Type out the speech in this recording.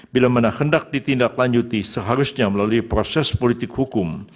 bila mana hendak ditindaklanjuti seharusnya melalui proses politik hukum